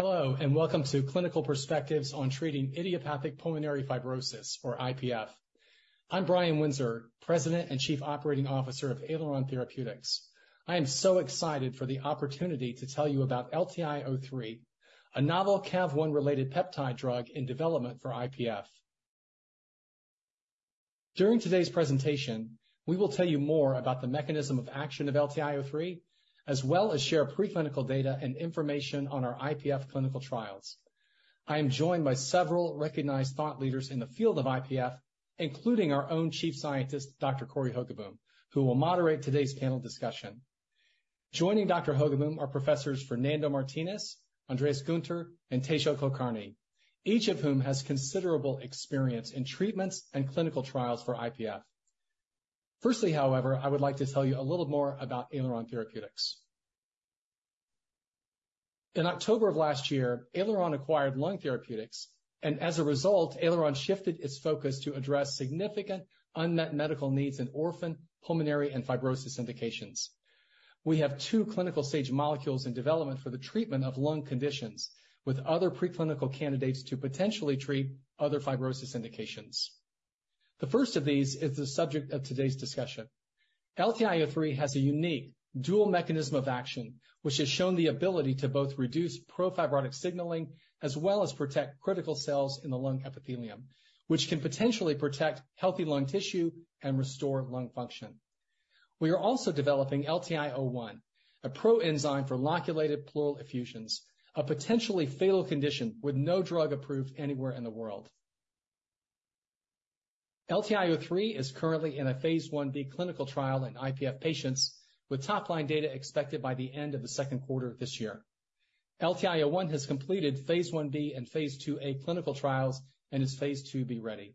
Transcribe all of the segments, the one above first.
Hello, and welcome to Clinical Perspectives on Treating Idiopathic Pulmonary Fibrosis or IPF. I'm Brian Windsor, President and Chief Operating Officer of Aileron Therapeutics. I am so excited for the opportunity to tell you about LTI-03, a novel Cav-1 related peptide drug in development for IPF. During today's presentation, we will tell you more about the mechanism of action of LTI-03, as well as share preclinical data and information on our IPF clinical trials. I am joined by several recognized thought leaders in the field of IPF, including our own Chief Scientist, Dr. Cory Hogaboam, who will moderate today's panel discussion. Joining Dr. Hogaboam are Professors Fernando Martinez, Andreas Günther, and Tejas Kulkarni, each of whom has considerable experience in treatments and clinical trials for IPF. Firstly, however, I would like to tell you a little more about Aileron Therapeutics. In October of last year, Aileron acquired Lung Therapeutics, and as a result, Aileron shifted its focus to address significant unmet medical needs in orphan, pulmonary, and fibrosis indications. We have two clinical stage molecules in development for the treatment of lung conditions, with other preclinical candidates to potentially treat other fibrosis indications. The first of these is the subject of today's discussion. LTI-03 has a unique dual mechanism of action, which has shown the ability to both reduce pro-fibrotic signaling, as well as protect critical cells in the lung epithelium, which can potentially protect healthy lung tissue and restore lung function. We are also developing LTI-01, a proenzyme for loculated pleural effusions, a potentially fatal condition with no drug approved anywhere in the world. LTI-03 is currently in a phase I-B clinical trial in IPF patients, with top-line data expected by the end of the second quarter of this year. LTI-01 has completed phase I-B and phase II-A clinical trials and is phase II-B ready.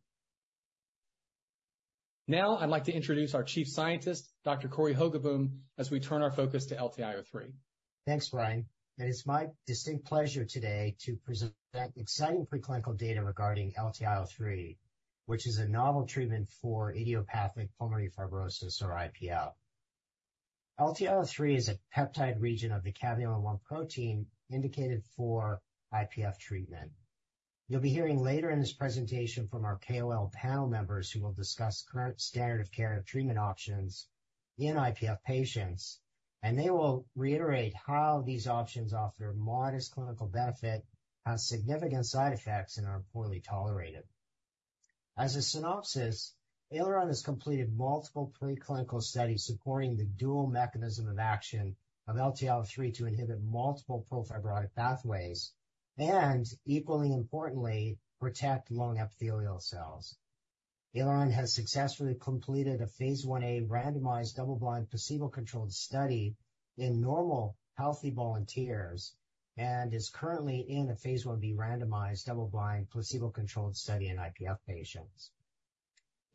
Now, I'd like to introduce our Chief Scientist, Dr. Cory Hogaboam, as we turn our focus to LTI-03. Thanks, Brian, and it's my distinct pleasure today to present exciting preclinical data regarding LTI-03, which is a novel treatment for idiopathic pulmonary fibrosis or IPF. LTI-03 is a peptide region of the caveolin-1 protein indicated for IPF treatment. You'll be hearing later in this presentation from our KOL panel members, who will discuss current standard of care and treatment options in IPF patients, and they will reiterate how these options offer modest clinical benefit, have significant side effects, and are poorly tolerated. As a synopsis, Aileron has completed multiple preclinical studies supporting the dual mechanism of action of LTI-03 to inhibit multiple pro-fibrotic pathways, and equally importantly, protect lung epithelial cells. Aileron has successfully completed a phase I-A randomized, double-blind, placebo-controlled study in normal, healthy volunteers and is currently in a phase I-B randomized, double-blind, placebo-controlled study in IPF patients.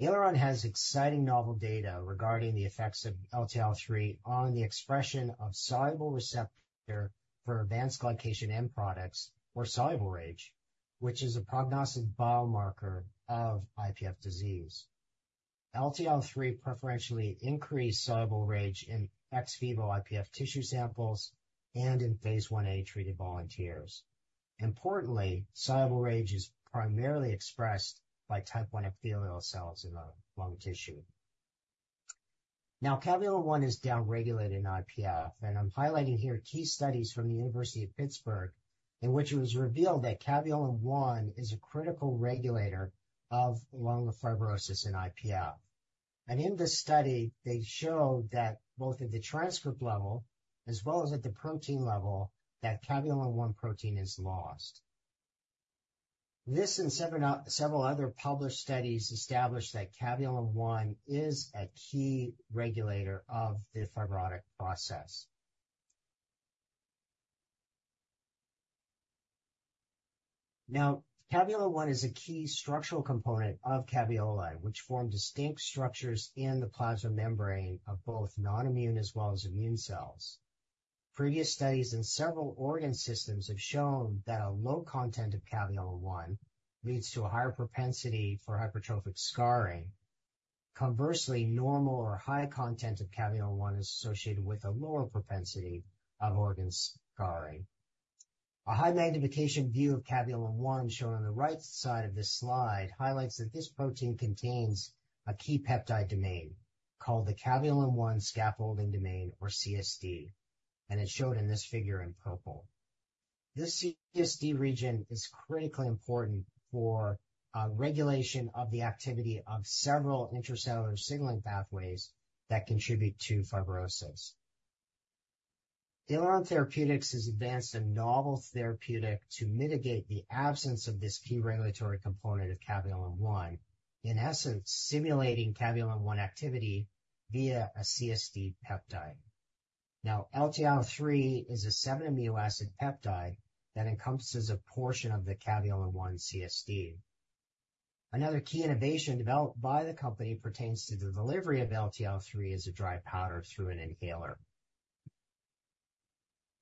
Aileron has exciting novel data regarding the effects of LTI-03 on the expression of soluble receptor for advanced glycation end products, or soluble RAGE, which is a prognostic biomarker of IPF disease. LTI-03 preferentially increased soluble RAGE in ex vivo IPF tissue samples and in phase I-A treated volunteers. Importantly, soluble RAGE is primarily expressed by type I epithelial cells in the lung tissue. Now, caveolin-1 is downregulated in IPF, and I'm highlighting here key studies from the University of Pittsburgh, in which it was revealed that caveolin-1 is a critical regulator of lung fibrosis in IPF. In this study, they showed that both at the transcript level as well as at the protein level, that caveolin-1 protein is lost. This and several other published studies established that caveolin-1 is a key regulator of the fibrotic process. Now, caveolin-1 is a key structural component of caveolae, which form distinct structures in the plasma membrane of both non-immune as well as immune cells. Previous studies in several organ systems have shown that a low content of caveolin-1 leads to a higher propensity for hypertrophic scarring. Conversely, normal or high content of caveolin-1 is associated with a lower propensity of organ scarring. A high magnification view of caveolin-1, shown on the right side of this slide, highlights that this protein contains a key peptide domain called the caveolin-1 scaffolding domain, or CSD, and it's shown in this figure in purple. This CSD region is critically important for regulation of the activity of several intracellular signaling pathways that contribute to fibrosis. Aileron Therapeutics has advanced a novel therapeutic to mitigate the absence of this key regulatory component of caveolin-1, in essence, simulating caveolin-1 activity via a CSD peptide. Now, LTI-03 is a seven amino acid peptide that encompasses a portion of the caveolin-1 CSD. Another key innovation developed by the company pertains to the delivery of LTI-03 as a dry powder through an inhaler.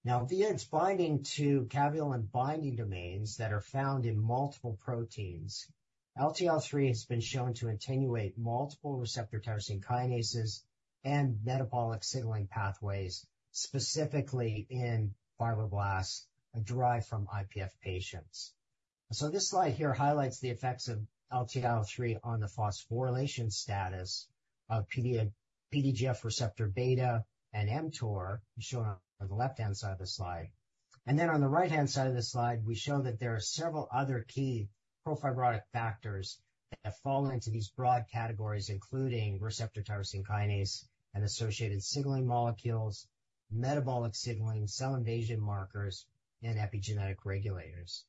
Now, via its binding to caveolin binding domains that are found in multiple proteins, LTI-03 has been shown to attenuate multiple receptor tyrosine kinases and metabolic signaling pathways, specifically in fibroblasts derived from IPF patients. So this slide here highlights the effects of LTI-03 on the phosphorylation status of PDGF receptor beta and mTOR, shown on the left-hand side of the slide. And then on the right-hand side of the slide, we show that there are several other key pro-fibrotic factors that fall into these broad categories, including receptor tyrosine kinase and associated signaling molecules, metabolic signaling, cell invasion markers, and epigenetic regulators.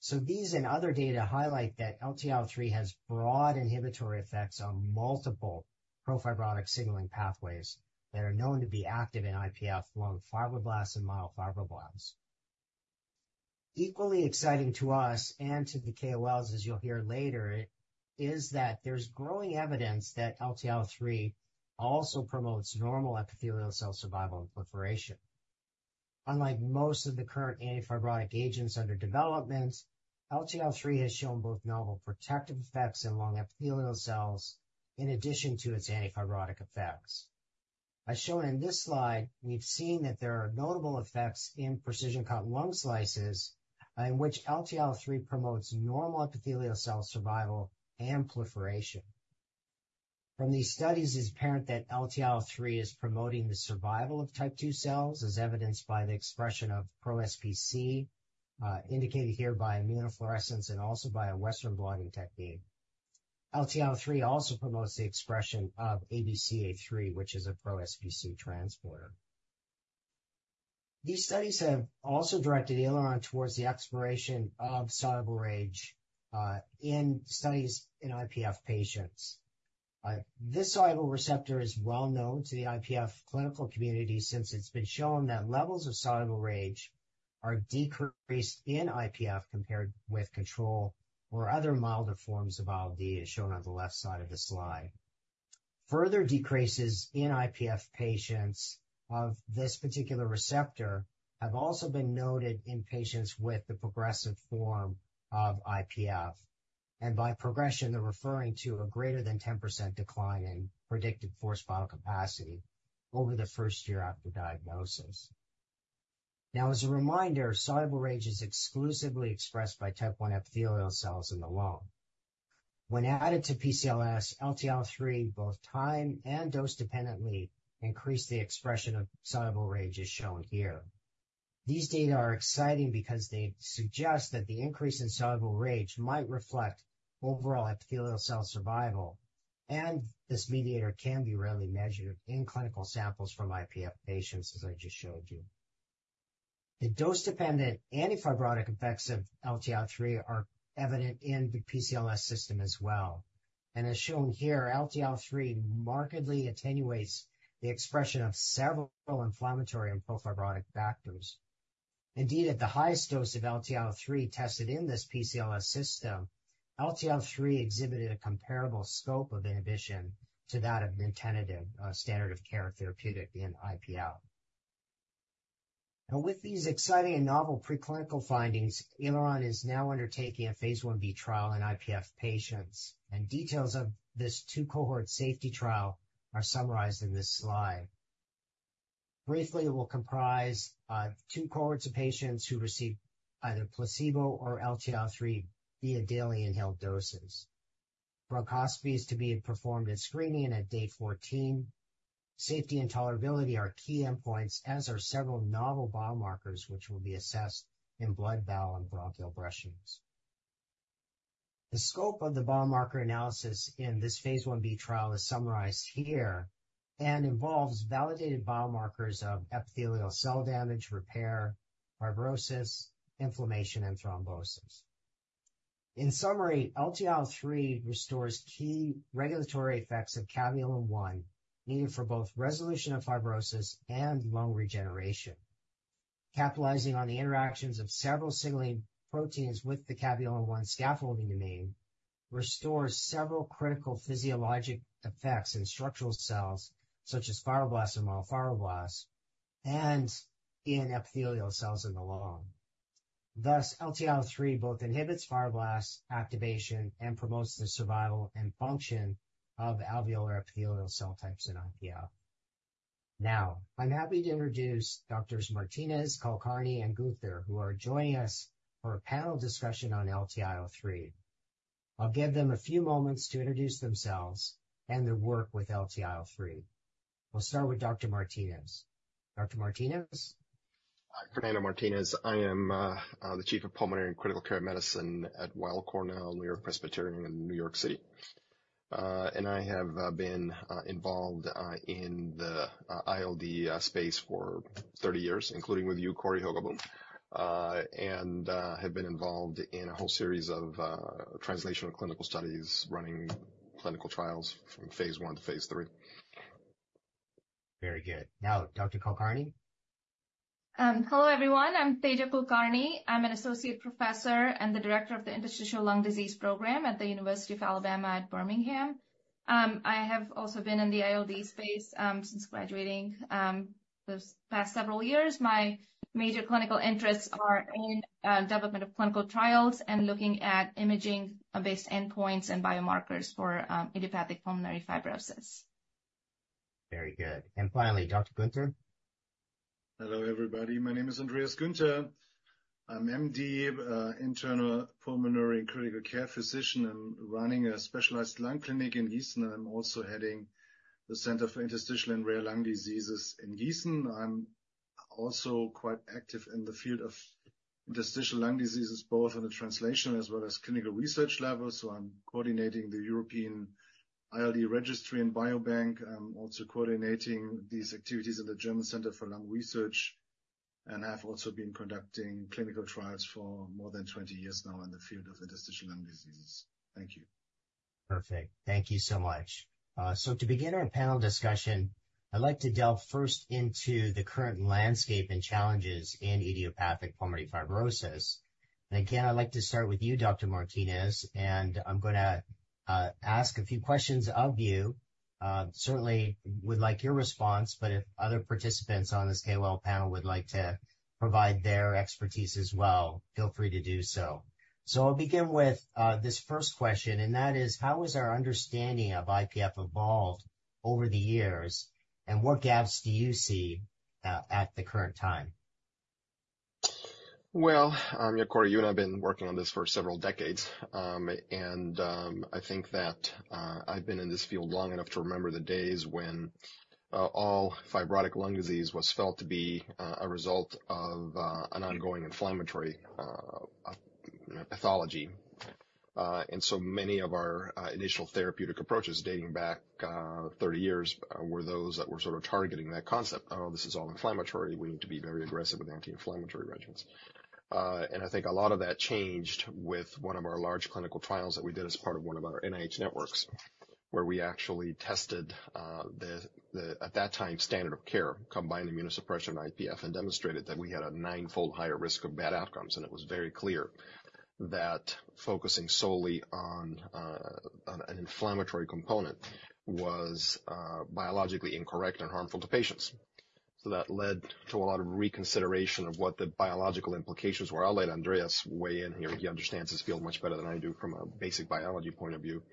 So these and other data highlight that LTI-03 has broad inhibitory effects on multiple pro-fibrotic signaling pathways that are known to be active in IPF, lung fibroblasts, and myofibroblasts. Equally exciting to us and to the KOLs, as you'll hear later, is that there's growing evidence that LTI-03 also promotes normal epithelial cell survival and proliferation. Unlike most of the current anti-fibrotic agents under development, LTI-03 has shown both novel protective effects in lung epithelial cells in addition to its anti-fibrotic effects. As shown in this slide, we've seen that there are notable effects in precision-cut lung slices, in which LTI-03 promotes normal epithelial cell survival and proliferation. From these studies, it's apparent that LTI-03 is promoting the survival of type II cells, as evidenced by the expression of pro-SPC, indicated here by immunofluorescence and also by a Western blotting technique. LTI-03 also promotes the expression of ABCA3, which is a pro-SPC transporter. These studies have also directed Aileron towards the exploration of soluble RAGE, in studies in IPF patients. This soluble receptor is well known to the IPF clinical community since it's been shown that levels of soluble RAGE are decreased in IPF compared with control or other milder forms of ILD, as shown on the left side of the slide. Further decreases in IPF patients of this particular receptor have also been noted in patients with the progressive form of IPF, and by progression, they're referring to a greater than 10% decline in predicted forced vital capacity over the first year after diagnosis. Now, as a reminder, soluble RAGE is exclusively expressed by type I epithelial cells in the lung. When added to PCLS, LTI-03, both time and dose-dependently, increases the expression of soluble RAGE, as shown here. These data are exciting because they suggest that the increase in soluble RAGE might reflect overall epithelial cell survival, and this mediator can be readily measured in clinical samples from IPF patients, as I just showed you. The dose-dependent anti-fibrotic effects of LTI-03 are evident in the PCLS system as well, and as shown here, LTI-03 markedly attenuates the expression of several inflammatory and pro-fibrotic factors. Indeed, at the highest dose of LTI-03 tested in this PCLS system, LTI-03 exhibited a comparable scope of inhibition to that of nintedanib, a standard of care therapeutic in IPF. Now, with these exciting and novel preclinical findings, Aileron is now undertaking a phase I-B trial in IPF patients, and details of this two-cohort safety trial are summarized in this slide. Briefly, it will comprise two cohorts of patients who receive either placebo or LTI-03 via daily inhaled doses. Bronchoscopy is to be performed at screening and at day 14. Safety and tolerability are key endpoints, as are several novel biomarkers, which will be assessed in blood, BAL, and bronchial brushings. The scope of the biomarker analysis in this phase I-B trial is summarized here and involves validated biomarkers of epithelial cell damage, repair, fibrosis, inflammation, and thrombosis. In summary, LTI-03 restores key regulatory effects of caveolin-1, needed for both resolution of fibrosis and lung regeneration. Capitalizing on the interactions of several signaling proteins with the caveolin-1 scaffolding domain restores several critical physiologic effects in structural cells such as fibroblasts and myofibroblasts and in epithelial cells in the lung. Thus, LTI-03 both inhibits fibroblast activation and promotes the survival and function of alveolar epithelial cell types in IPF. Now, I'm happy to introduce Doctors Martinez, Kulkarni, and Günther, who are joining us for a panel discussion on LTI-03. I'll give them a few moments to introduce themselves and their work with LTI-03. We'll start with Dr. Martinez. Dr. Martinez? Hi. Fernando Martinez. I am the Chief of Pulmonary and Critical Care Medicine at Weill Cornell Medicine, NewYork-Presbyterian in New York City. I have been involved in the ILD space for 30 years, including with you, Cory Hogaboam. I have been involved in a whole series of translational clinical studies running clinical trials from phase I to phase III. Very good. Now, Dr. Kulkarni? Hello, everyone. I'm Tejaswini Kulkarni. I'm an associate professor and the director of the Interstitial Lung Disease Program at the University of Alabama at Birmingham. I have also been in the ILD space since graduating those past several years. My major clinical interests are in development of clinical trials and looking at imaging-based endpoints and biomarkers for idiopathic pulmonary fibrosis. ... Very good. And finally, Dr. Günther? Hello, everybody. My name is Andreas Günther. I'm MD, internal pulmonary and critical care physician, and running a specialized lung clinic in Giessen. I'm also heading the Center for Interstitial and Rare Lung Diseases in Giessen. I'm also quite active in the field of interstitial lung diseases, both on the translational as well as clinical research level. So I'm coordinating the European ILD Registry and Biobank. I'm also coordinating these activities at the German Center for Lung Research, and I've also been conducting clinical trials for more than 20 years now in the field of interstitial lung diseases. Thank you. Perfect. Thank you so much. So to begin our panel discussion, I'd like to delve first into the current landscape and challenges in idiopathic pulmonary fibrosis. And again, I'd like to start with you, Dr. Martinez, and I'm going to ask a few questions of you. Certainly would like your response, but if other participants on this KOL panel would like to provide their expertise as well, feel free to do so. So I'll begin with this first question, and that is: How has our understanding of IPF evolved over the years, and what gaps do you see at the current time? Well, yeah, Cory, you and I have been working on this for several decades, and I think that I've been in this field long enough to remember the days when all fibrotic lung disease was felt to be a result of an ongoing inflammatory pathology. And so many of our initial therapeutic approaches dating back 30 years were those that were sort of targeting that concept. Oh, this is all inflammatory. We need to be very aggressive with anti-inflammatory regimens. And I think a lot of that changed with one of our large clinical trials that we did as part of one of our NIH networks, where we actually tested the at that time standard of care combined immunosuppression IPF, and demonstrated that we had a ninefold higher risk of bad outcomes. It was very clear that focusing solely on an inflammatory component was biologically incorrect and harmful to patients. So that led to a lot of reconsideration of what the biological implications were. I'll let Andreas weigh in here. He understands this field much better than I do from a basic biology point of view.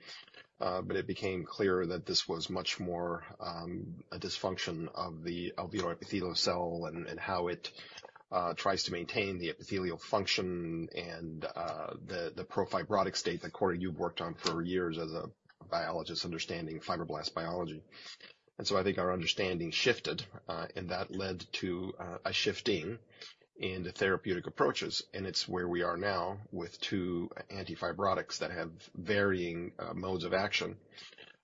But it became clear that this was much more a dysfunction of the alveolar epithelial cell and how it tries to maintain the epithelial function and the pro-fibrotic state that, Cory, you've worked on for years as a biologist understanding fibroblast biology. So I think our understanding shifted, and that led to a shifting in the therapeutic approaches, and it's where we are now with two antifibrotics that have varying modes of action,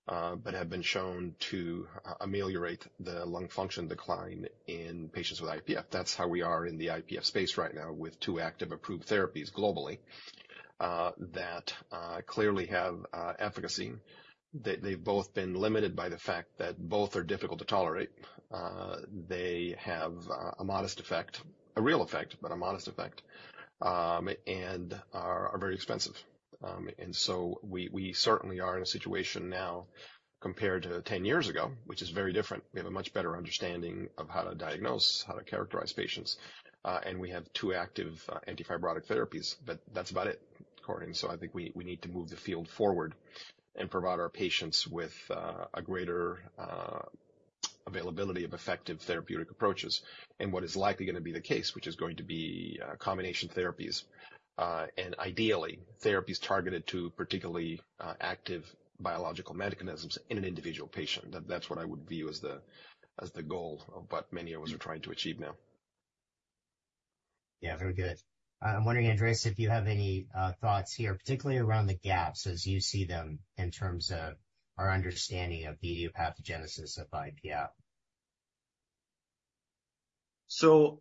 but have been shown to ameliorate the lung function decline in patients with IPF. That's how we are in the IPF space right now, with two active, approved therapies globally, that clearly have efficacy. They've both been limited by the fact that both are difficult to tolerate. They have a modest effect, a real effect, but a modest effect, and are very expensive. So we certainly are in a situation now, compared to 10 years ago, which is very different. We have a much better understanding of how to diagnose, how to characterize patients, and we have two active antifibrotic therapies, but that's about it, Cory. So I think we need to move the field forward and provide our patients with a greater availability of effective therapeutic approaches and what is likely going to be the case, which is going to be combination therapies, and ideally, therapies targeted to particularly active biological mechanisms in an individual patient. That's what I would view as the goal of what many of us are trying to achieve now. Yeah, very good. I'm wondering, Andreas, if you have any thoughts here, particularly around the gaps as you see them in terms of our understanding of the pathogenesis of IPF. So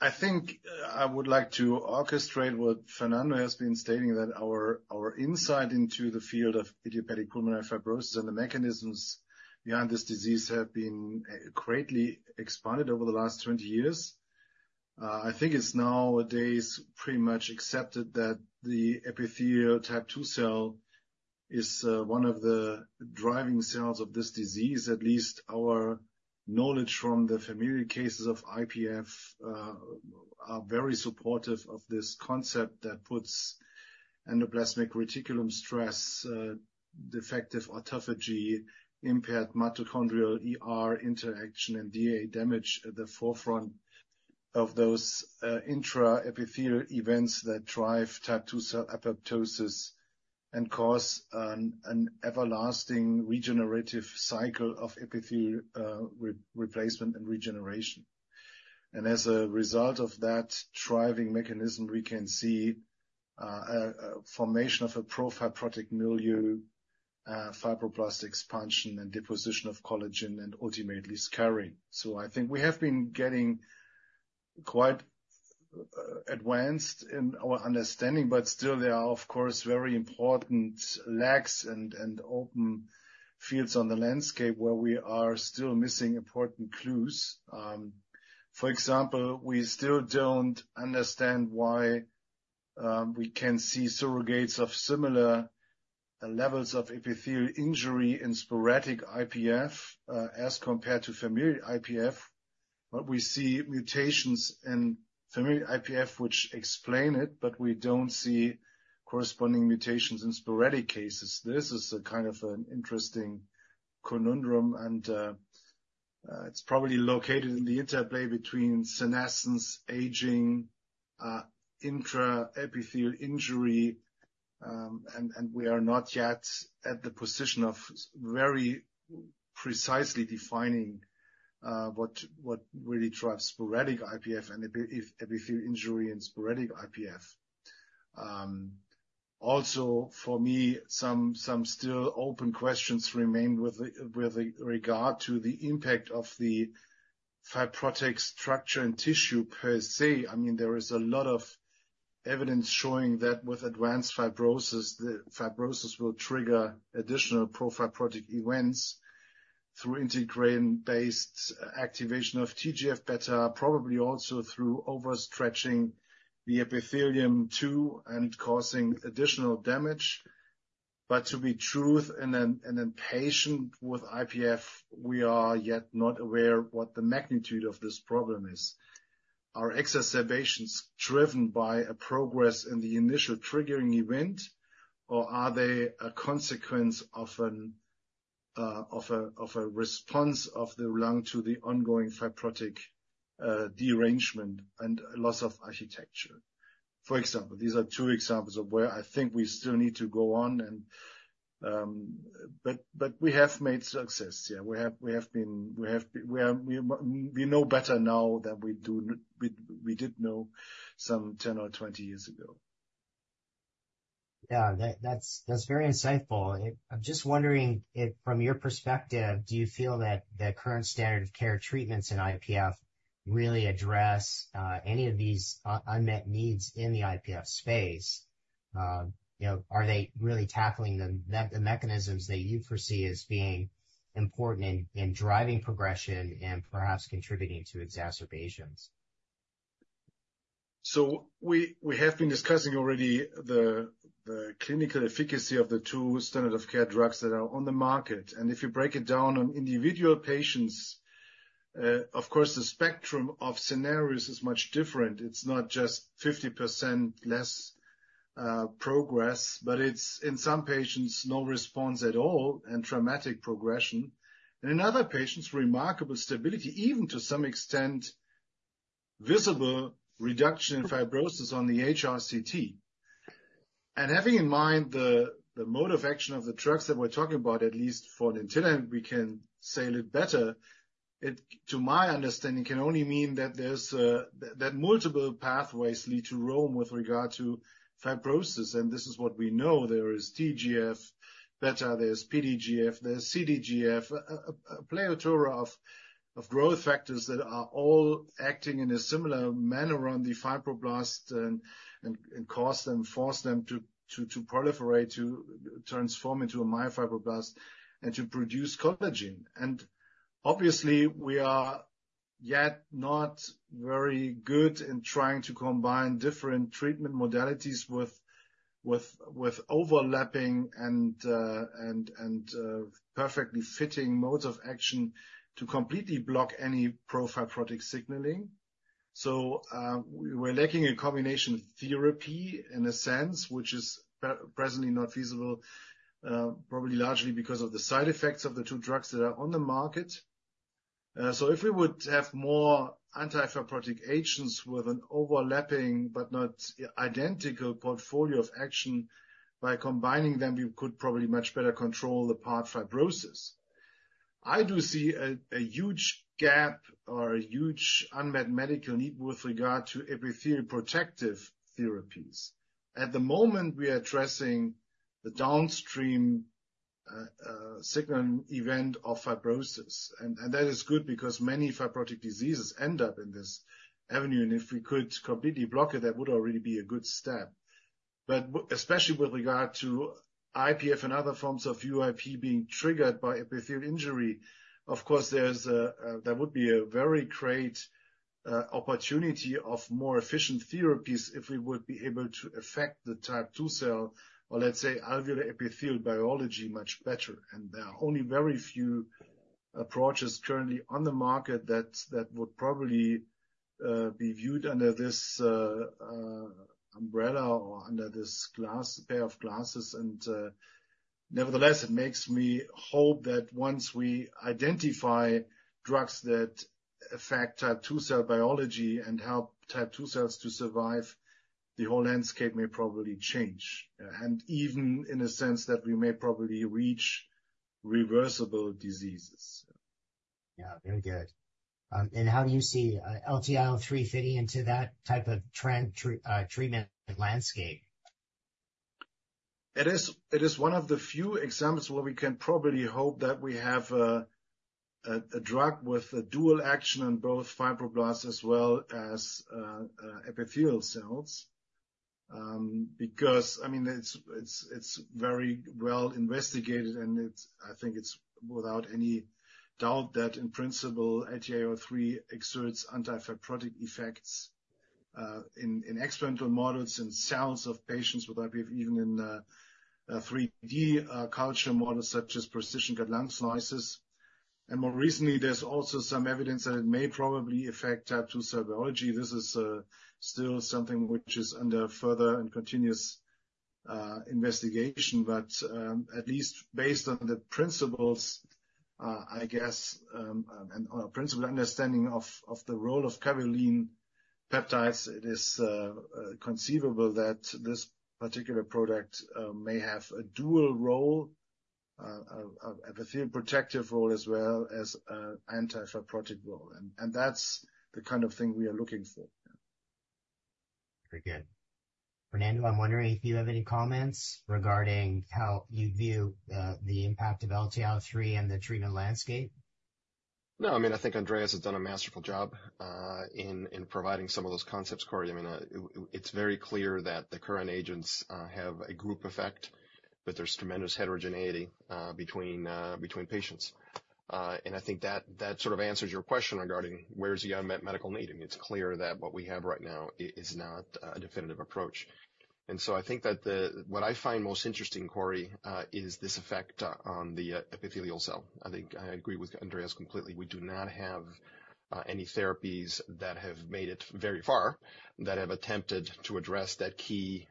I think I would like to orchestrate what Fernando has been stating, that our insight into the field of idiopathic pulmonary fibrosis and the mechanisms behind this disease have been greatly expanded over the last 20 years. I think it's nowadays pretty much accepted that the epithelial type II cell is one of the driving cells of this disease. At least our knowledge from the familial cases of IPF are very supportive of this concept that puts endoplasmic reticulum stress, defective autophagy, impaired mitochondrial ER interaction, and DNA damage at the forefront of those intra-epithelial events that drive type II cell apoptosis and cause an everlasting regenerative cycle of epithelial replacement and regeneration. And as a result of that driving mechanism, we can see a formation of a pro-fibrotic milieu, fibroblast expansion and deposition of collagen, and ultimately scarring. So I think we have been getting quite advanced in our understanding, but still there are, of course, very important lacks and open fields on the landscape where we are still missing important clues. For example, we still don't understand why we can see surrogates of similar levels of epithelial injury in sporadic IPF as compared to familial IPF... but we see mutations in familial IPF, which explain it, but we don't see corresponding mutations in sporadic cases. This is a kind of an interesting conundrum, and it's probably located in the interplay between senescence, aging, intraepithelial injury. And we are not yet at the position of very precisely defining what really drives sporadic IPF and epithelial injury in sporadic IPF. Also, for me, some still open questions remain with regard to the impact of the fibrotic structure and tissue per se. I mean, there is a lot of evidence showing that with advanced fibrosis, the fibrosis will trigger additional pro-fibrotic events through integrin-based activation of TGF-beta, probably also through overstretching the epithelium too, and causing additional damage. But to be truth, in a patient with IPF, we are yet not aware what the magnitude of this problem is. Are exacerbations driven by a progress in the initial triggering event, or are they a consequence of a response of the lung to the ongoing fibrotic derangement and loss of architecture? For example, these are two examples of where I think we still need to go on and... But we have made success. Yeah, we know better now than we did some 10 or 20 years ago. Yeah, that's very insightful. I'm just wondering if from your perspective, do you feel that the current standard of care treatments in IPF really address any of these unmet needs in the IPF space? You know, are they really tackling the mechanisms that you foresee as being important in driving progression and perhaps contributing to exacerbations? So we have been discussing already the clinical efficacy of the two standard of care drugs that are on the market, and if you break it down on individual patients, of course, the spectrum of scenarios is much different. It's not just 50% less progress, but it's in some patients, no response at all and dramatic progression. And in other patients, remarkable stability, even to some extent, visible reduction in fibrosis on the HRCT. And having in mind the mode of action of the drugs that we're talking about, at least for nintedanib, we can say a little better. It to my understanding, can only mean that there's a that multiple pathways lead to Rome with regard to fibrosis, and this is what we know. There is TGF-beta, there's PDGF, there's CTGF, a plethora of growth factors that are all acting in a similar manner on the fibroblasts and cause them force them to proliferate, to transform into a myofibroblast and to produce collagen. And obviously, we are yet not very good in trying to combine different treatment modalities with overlapping and perfectly fitting modes of action to completely block any pro-fibrotic signaling. So, we're lacking a combination therapy in a sense, which is presently not feasible, probably largely because of the side effects of the two drugs that are on the market. So if we would have more anti-fibrotic agents with an overlapping but not identical portfolio of action, by combining them, we could probably much better control the part fibrosis. I do see a huge gap or a huge unmet medical need with regard to epithelial protective therapies. At the moment, we are addressing the downstream signal event of fibrosis, and that is good because many fibrotic diseases end up in this avenue, and if we could completely block it, that would already be a good step. But especially with regard to IPF and other forms of UIP being triggered by epithelial injury, of course, there's that would be a very great opportunity of more efficient therapies if we would be able to affect the type II cell, or let's say, alveolar epithelial biology, much better. And there are only very few approaches currently on the market that would probably be viewed under this umbrella or under this glass, pair of glasses. And, nevertheless, it makes me hope that once we identify drugs that affect type II cell biology and help type II cells to survive, the whole landscape may probably change. And even in a sense that we may probably reach reversible diseases. Yeah, very good. And how do you see LTI-03 fitting into that type of treatment landscape? It is one of the few examples where we can probably hope that we have a drug with a dual action on both fibroblasts as well as epithelial cells. Because, I mean, it's very well investigated, and I think it's without any doubt that in principle, LTI-03 exerts anti-fibrotic effects in experimental models, in cells of patients with IPF, even in 3D culture models such as precision-cut lung slices. And more recently, there's also some evidence that it may probably affect the cell biology. This is still something which is under further and continuous investigation, but at least based on the principles, I guess, and on a principled understanding of the role of caveolin peptides, it is conceivable that this particular product may have a dual role of epithelium protective role, as well as anti-fibrotic role. And that's the kind of thing we are looking for. Very good. Fernando, I'm wondering if you have any comments regarding how you view the impact of LTI-03 in the treatment landscape? No, I mean, I think Andreas has done a masterful job in providing some of those concepts, Cory. I mean, it, it's very clear that the current agents have a group effect, but there's tremendous heterogeneity between patients. And I think that sort of answers your question regarding where's the unmet medical need. I mean, it's clear that what we have right now is not a definitive approach. And so I think that the... What I find most interesting, Cory, is this effect on the epithelial cell. I think I agree with Andreas completely. We do not have any therapies that have made it very far that have attempted to address that key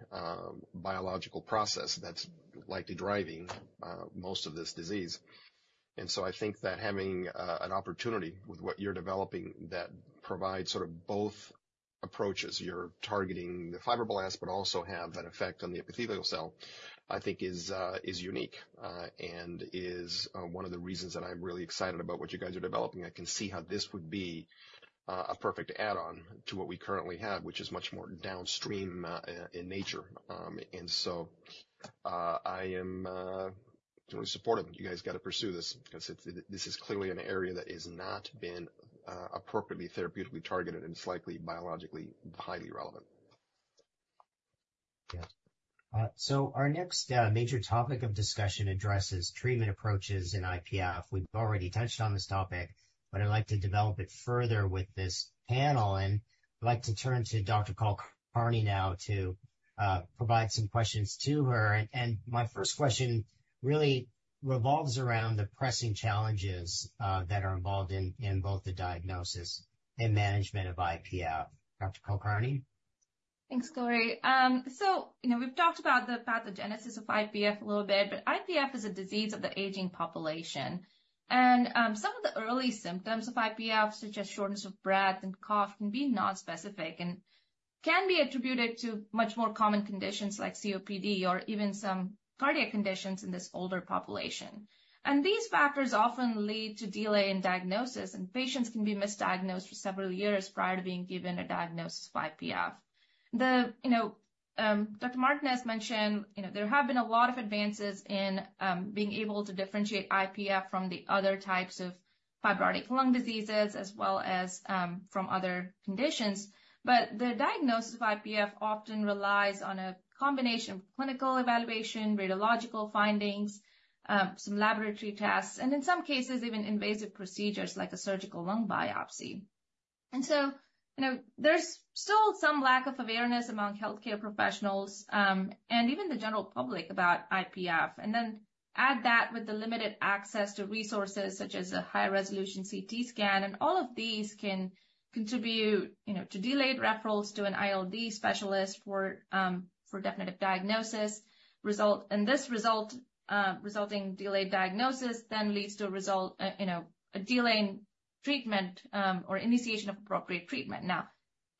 biological process that's likely driving most of this disease. And so I think that having an opportunity with what you're developing that provides sort of both approaches, you're targeting the fibroblasts, but also have that effect on the epithelial cell, I think is unique, and is one of the reasons that I'm really excited about what you guys are developing. I can see how this would be a perfect add-on to what we currently have, which is much more downstream in nature. And so I am totally supportive. You guys got to pursue this because it's, this is clearly an area that has not been appropriately therapeutically targeted, and it's likely biologically highly relevant. Yeah. So our next major topic of discussion addresses treatment approaches in IPF. We've already touched on this topic, but I'd like to develop it further with this panel, and I'd like to turn to Dr. Kulkarni now to provide some questions to her. And my first question really revolves around the pressing challenges that are involved in both the diagnosis and management of IPF. Dr. Kulkarni? Thanks, Cory. So you know, we've talked about the pathogenesis of IPF a little bit, but IPF is a disease of the aging population. Some of the early symptoms of IPF, such as shortness of breath and cough, can be nonspecific and can be attributed to much more common conditions like COPD or even some cardiac conditions in this older population. And these factors often lead to delay in diagnosis, and patients can be misdiagnosed for several years prior to being given a diagnosis of IPF. You know, Dr. Martinez has mentioned, you know, there have been a lot of advances in being able to differentiate IPF from the other types of fibrotic lung diseases, as well as from other conditions. But the diagnosis of IPF often relies on a combination of clinical evaluation, radiological findings, some laboratory tests, and in some cases, even invasive procedures like a surgical lung biopsy. So, you know, there's still some lack of awareness among healthcare professionals, and even the general public about IPF, and then add that with the limited access to resources such as a high-resolution CT scan, and all of these can contribute, you know, to delayed referrals to an ILD specialist for definitive diagnosis. This resulting in delayed diagnosis then leads to, you know, a delay in treatment or initiation of appropriate treatment. Now,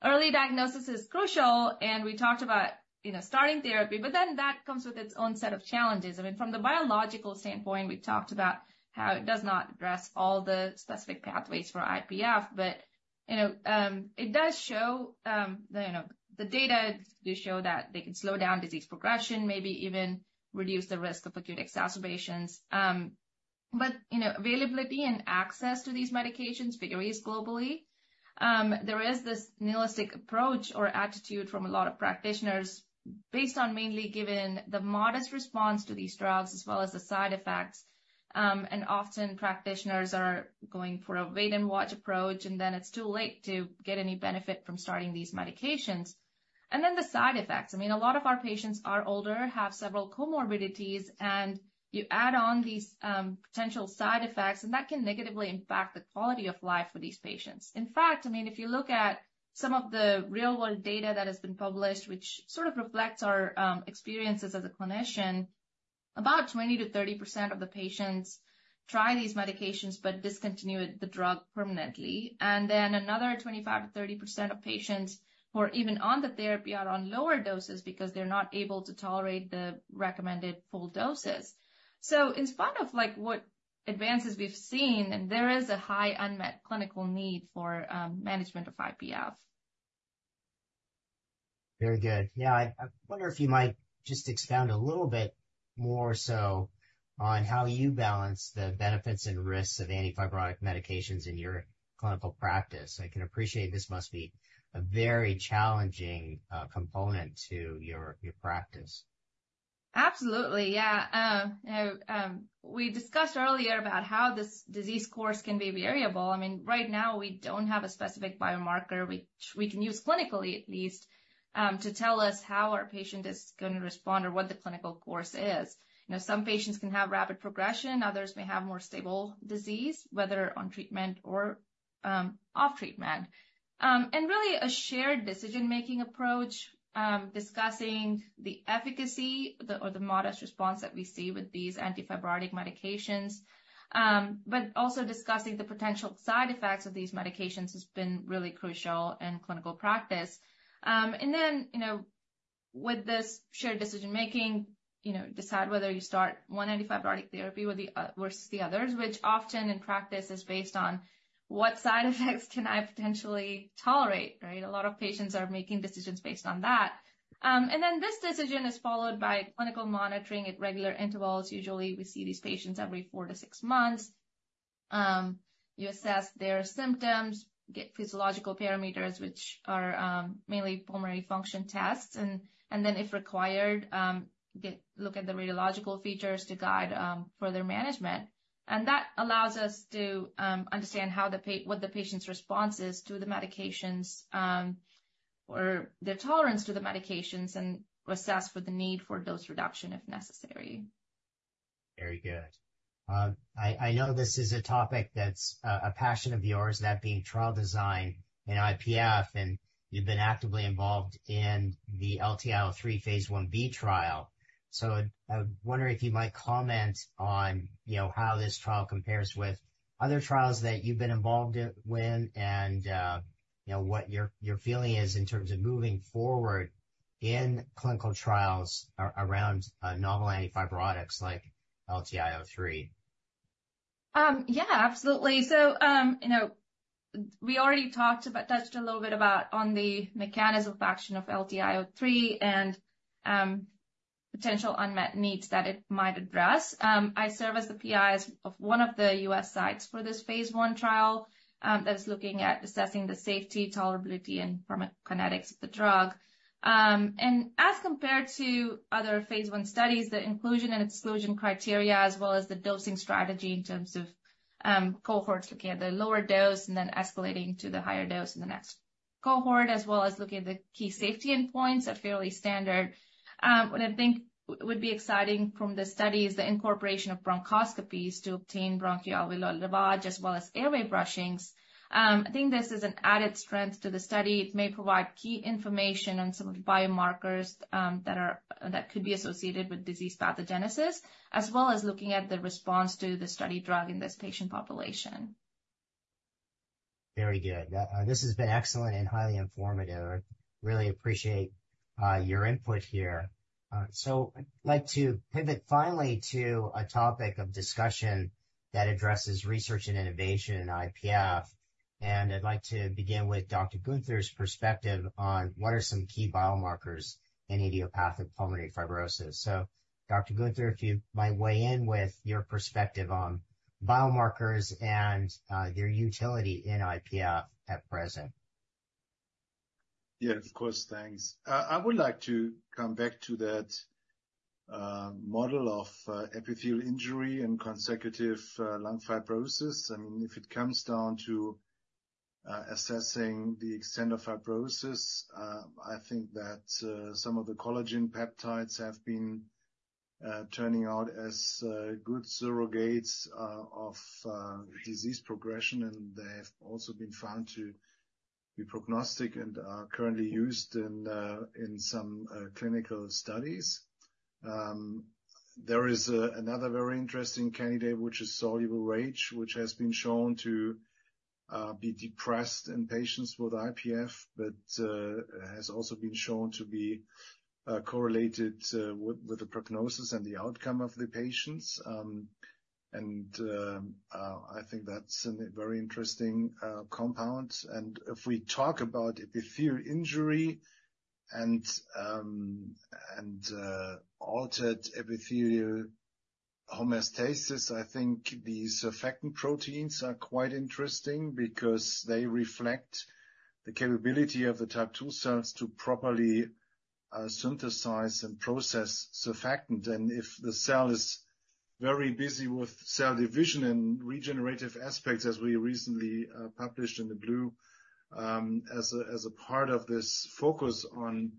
early diagnosis is crucial, and we talked about, you know, starting therapy, but then that comes with its own set of challenges. I mean, from the biological standpoint, we talked about how it does not address all the specific pathways for IPF, but, you know, it does show, you know, the data do show that they can slow down disease progression, maybe even reduce the risk of acute exacerbations. But, you know, availability and access to these medications varies globally. There is this nihilistic approach or attitude from a lot of practitioners based on mainly given the modest response to these drugs as well as the side effects. And often practitioners are going for a wait-and-watch approach, and then it's too late to get any benefit from starting these medications. And then the side effects. I mean, a lot of our patients are older, have several comorbidities, and you add on these potential side effects, and that can negatively impact the quality of life for these patients. In fact, I mean, if you look at some of the real-world data that has been published, which sort of reflects our experiences as a clinician, about 20%-30% of the patients try these medications but discontinue the drug permanently. And then another 25%-30% of patients who are even on the therapy are on lower doses because they're not able to tolerate the recommended full doses. So in spite of, like, what advances we've seen, and there is a high unmet clinical need for management of IPF. Very good. Yeah, I, I wonder if you might just expound a little bit more so on how you balance the benefits and risks of antifibrotic medications in your clinical practice. I can appreciate this must be a very challenging component to your, your practice.... Absolutely, yeah. You know, we discussed earlier about how this disease course can be variable. I mean, right now, we don't have a specific biomarker which we can use clinically, at least, to tell us how our patient is going to respond or what the clinical course is. You know, some patients can have rapid progression, others may have more stable disease, whether on treatment or, off treatment. And really a shared decision-making approach, discussing the efficacy, the or the modest response that we see with these antifibrotic medications, but also discussing the potential side effects of these medications has been really crucial in clinical practice. And then, you know, with this shared decision-making, you know, decide whether you start one antifibrotic therapy with the versus the others, which often in practice is based on what side effects can I potentially tolerate, right? A lot of patients are making decisions based on that. And then this decision is followed by clinical monitoring at regular intervals. Usually, we see these patients every four to six months. You assess their symptoms, get physiological parameters, which are mainly pulmonary function tests, and then, if required, get a look at the radiological features to guide further management. And that allows us to understand how what the patient's response is to the medications or their tolerance to the medications, and assess for the need for dose reduction, if necessary. Very good. I know this is a topic that's a passion of yours, that being trial design in IPF, and you've been actively involved in the LTI-03 phase II-B trial. So I wonder if you might comment on, you know, how this trial compares with other trials that you've been involved in, you know, what your feeling is in terms of moving forward in clinical trials around novel antifibrotics like LTI-03. Yeah, absolutely. So, you know, we already talked about, touched a little bit about on the mechanism of action of LTI-03 and, potential unmet needs that it might address. I serve as the PI of one of the U.S. sites for this phase I trial, that is looking at assessing the safety, tolerability and pharmacokinetics of the drug. And as compared to other phase I studies, the inclusion and exclusion criteria, as well as the dosing strategy in terms of, cohorts looking at the lower dose and then escalating to the higher dose in the next cohort, as well as looking at the key safety endpoints, are fairly standard. What I think would be exciting from this study is the incorporation of bronchoscopies to obtain bronchoalveolar lavage, as well as airway brushings. I think this is an added strength to the study. It may provide key information on some of the biomarkers that could be associated with disease pathogenesis, as well as looking at the response to the study drug in this patient population. Very good. This has been excellent and highly informative. I really appreciate your input here. So I'd like to pivot finally to a topic of discussion that addresses research and innovation in IPF, and I'd like to begin with Dr. Günther's perspective on what are some key biomarkers in idiopathic pulmonary fibrosis. So, Dr. Günther, if you might weigh in with your perspective on biomarkers and their utility in IPF at present. Yeah, of course. Thanks. I would like to come back to that model of epithelial injury and consecutive lung fibrosis. I mean, if it comes down to assessing the extent of fibrosis, I think that some of the collagen peptides have been turning out as good surrogates of disease progression, and they have also been found to be prognostic and are currently used in some clinical studies. There is another very interesting candidate, which is soluble RAGE, which has been shown to be depressed in patients with IPF, but has also been shown to be correlated with the prognosis and the outcome of the patients. And I think that's a very interesting compound. And if we talk about epithelial injury and altered epithelial homeostasis, I think the surfactant proteins are quite interesting because they reflect the capability of the type II cells to properly synthesize and process surfactant. And if the cell is very busy with cell division and regenerative aspects, as we recently published in the Blue, as a part of this focus on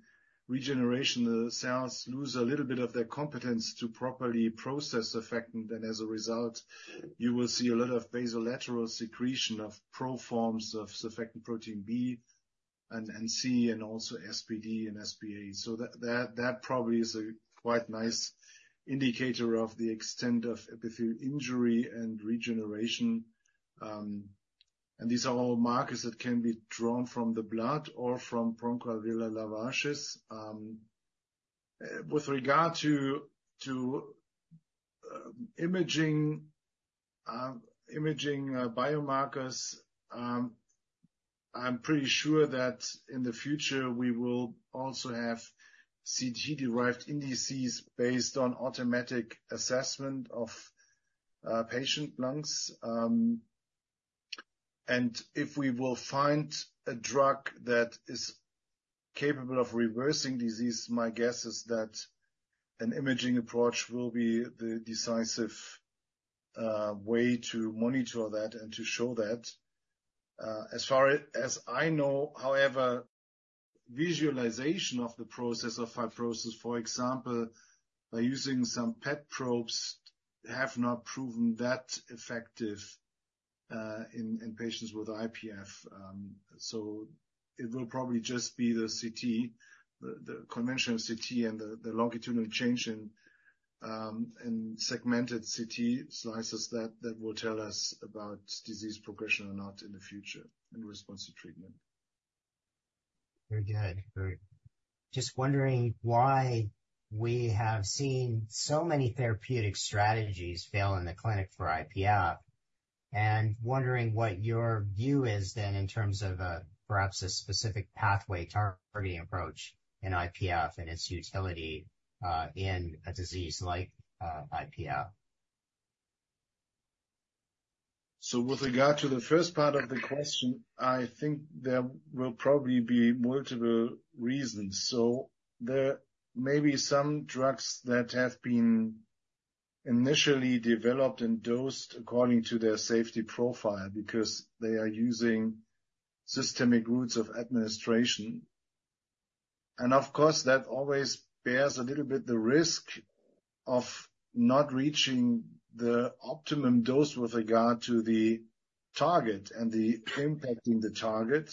regeneration, the cells lose a little bit of their competence to properly process surfactant. And as a result, you will see a lot of basolateral secretion of proforms of surfactant protein B and C, and also SP-D and SP-A. So that probably is a quite nice indicator of the extent of epithelial injury and regeneration. And these are all markers that can be drawn from the blood or from bronchoalveolar lavages. With regard to imaging biomarkers, I'm pretty sure that in the future we will also have CT-derived indices based on automatic assessment of patient lungs. And if we will find a drug that is capable of reversing disease, my guess is that an imaging approach will be the decisive way to monitor that and to show that. As far as I know, however, visualization of the process of fibrosis, for example, by using some PET probes, have not proven that effective in patients with IPF. So it will probably just be the CT, the conventional CT and the longitudinal change in segmented CT slices that will tell us about disease progression or not in the future in response to treatment. Very good. Just wondering why we have seen so many therapeutic strategies fail in the clinic for IPF, and wondering what your view is then, in terms of a, perhaps a specific pathway targeting approach in IPF and its utility in a disease like IPF. So with regard to the first part of the question, I think there will probably be multiple reasons. So there may be some drugs that have been initially developed and dosed according to their safety profile because they are using systemic routes of administration. And of course, that always bears a little bit the risk of not reaching the optimum dose with regard to the target and the impact in the target,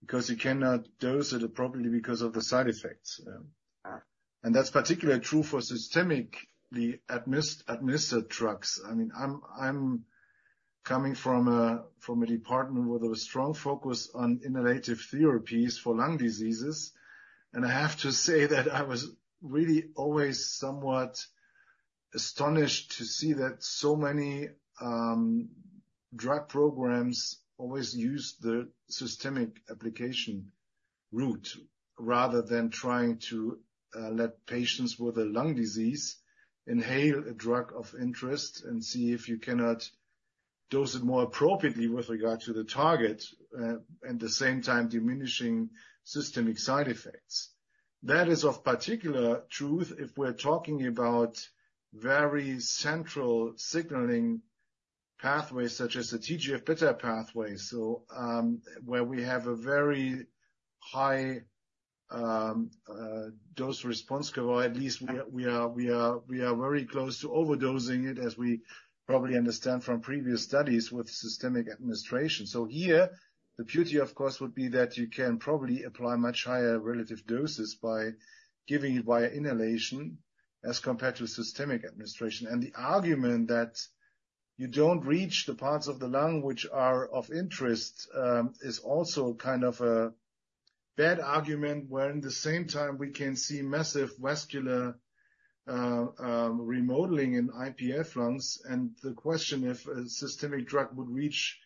because you cannot dose it appropriately because of the side effects. And that's particularly true for systemically administered drugs. I mean, I'm coming from a department with a strong focus on inhalative therapies for lung diseases, and I have to say that I was really always somewhat astonished to see that so many drug programs always use the systemic application route, rather than trying to let patients with a lung disease inhale a drug of interest and see if you cannot dose it more appropriately with regard to the target, at the same time diminishing systemic side effects. That is of particular truth if we're talking about very central signaling pathways such as the TGF-beta pathway. So, where we have a very high dose response curve, or at least we are very close to overdosing it, as we probably understand from previous studies with systemic administration. So here, the beauty, of course, would be that you can probably apply much higher relative doses by giving it via inhalation as compared to systemic administration. And the argument that you don't reach the parts of the lung which are of interest is also kind of a bad argument, where in the same time we can see massive vascular remodeling in IPF lungs. And the question if a systemic drug would reach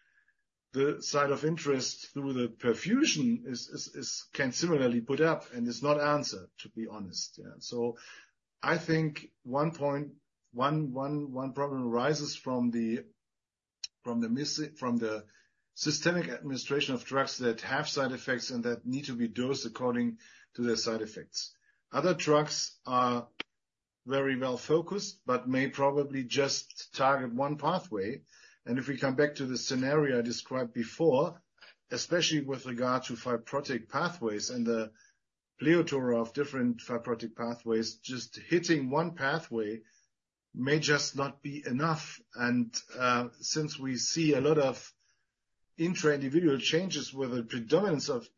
the site of interest through the perfusion is can similarly put up, and it's not answered, to be honest. Yeah. So I think one problem arises from the missing from the systemic administration of drugs that have side effects and that need to be dosed according to their side effects. Other drugs are very well focused, but may probably just target one pathway. And if we come back to the scenario I described before, especially with regard to fibrotic pathways and the plethora of different fibrotic pathways, just hitting one pathway may just not be enough. And since we see a lot of intra-individual changes with a predominance of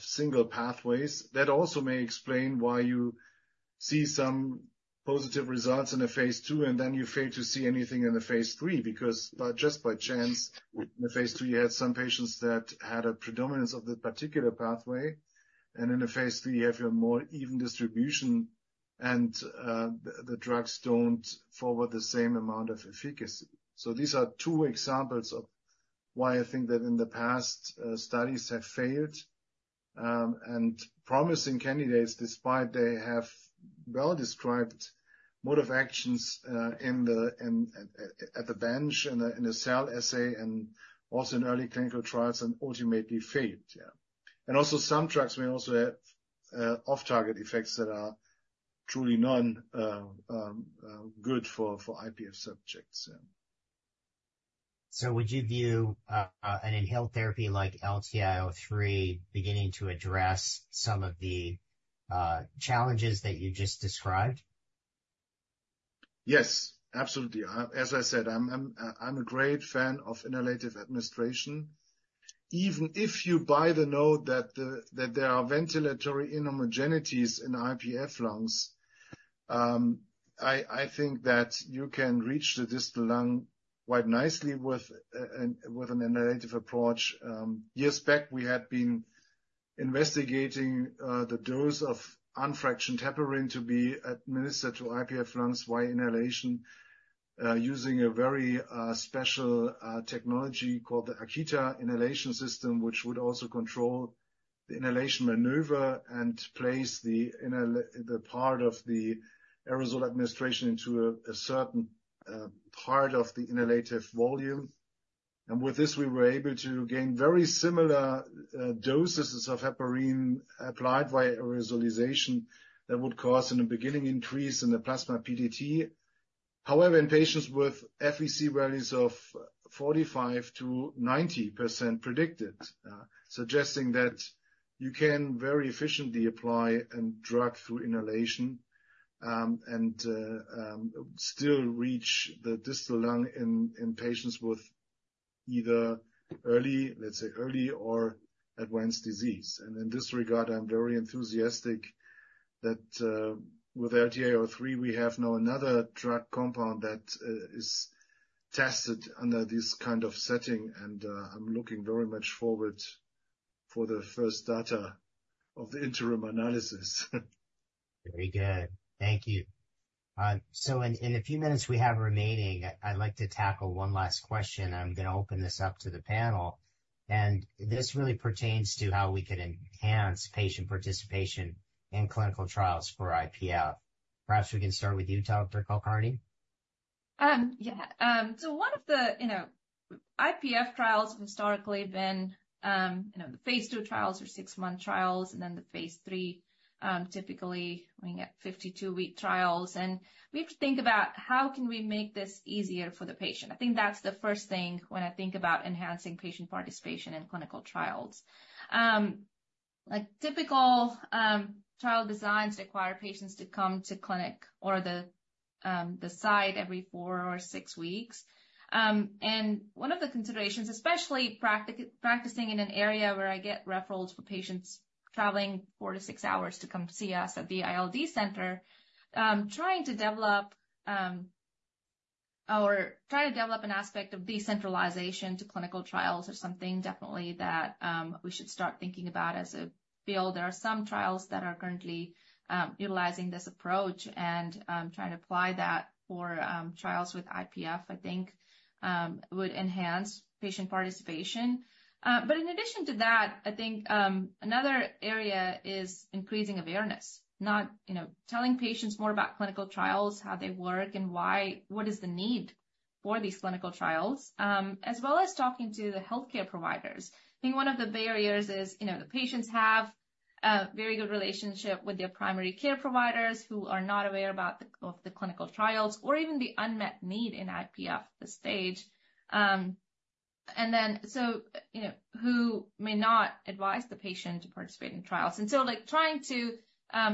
single pathways, that also may explain why you see some positive results in a phase II, and then you fail to see anything in the phase III. Because by just chance, in the phase II, you had some patients that had a predominance of this particular pathway, and in the phase III, you have a more even distribution, and the drugs don't forward the same amount of efficacy. So these are two examples of why I think that in the past studies have failed, and promising candidates, despite they have well-described mode of actions, at the bench, in the cell assay, and also in early clinical trials, and ultimately failed. Yeah. And also some drugs may also have off-target effects that are truly not good for IPF subjects, yeah. Would you view an inhaled therapy like LTI-03 beginning to address some of the challenges that you just described? Yes, absolutely. As I said, I'm a great fan of inhalative administration. Even if you buy the note that there are ventilatory inhomogeneities in IPF lungs, I think that you can reach the distal lung quite nicely with an inhalative approach. Years back, we had been investigating the dose of unfractionated heparin to be administered to IPF lungs via inhalation, using a very special technology called the AKITA inhalation system, which would also control the inhalation maneuver and place the part of the aerosol administration into a certain part of the inhalative volume. And with this, we were able to gain very similar doses of heparin applied via aerosolization that would cause, in the beginning, increase in the plasma PTT. However, in patients with FVC values of 45%-90% predicted, suggesting that you can very efficiently apply a drug through inhalation, and still reach the distal lung in patients with either early, let's say, early or advanced disease. In this regard, I'm very enthusiastic that with LTI-03, we have now another drug compound that is tested under this kind of setting, and I'm looking very much forward for the first data of the interim analysis. Very good. Thank you. So in the few minutes we have remaining, I'd like to tackle one last question, and I'm going to open this up to the panel. And this really pertains to how we can enhance patient participation in clinical trials for IPF. Perhaps we can start with you, Dr. Kulkarni? Yeah. So one of the, you know, IPF trials have historically been, you know, the phase II trials or 6-month trials, and then the phase III, typically, looking at 52-week trials. And we have to think about how can we make this easier for the patient? I think that's the first thing when I think about enhancing patient participation in clinical trials. Like, typical, trial designs require patients to come to clinic or the, the site every four or six weeks. And one of the considerations, especially practicing in an area where I get referrals for patients traveling 4-6 hours to come see us at the ILD center, trying to develop or trying to develop an aspect of decentralization to clinical trials is something definitely that, we should start thinking about as a field. There are some trials that are currently utilizing this approach, and trying to apply that for trials with IPF, I think, would enhance patient participation. But in addition to that, I think another area is increasing awareness, not, you know, telling patients more about clinical trials, how they work, and why, what is the need for these clinical trials, as well as talking to the healthcare providers. I think one of the barriers is, you know, the patients have a very good relationship with their primary care providers, who are not aware of the clinical trials or even the unmet need in IPF at this stage. So, you know, who may not advise the patient to participate in trials. And so, like, trying to